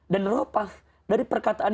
dan ropaf dari perkataan